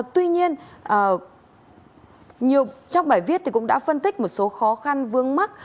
tuy nhiên trong bài viết cũng đã phân tích một số khó khăn vương mắc